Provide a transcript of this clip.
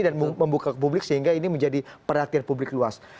dan membuka ke publik sehingga ini menjadi perhatian publik luas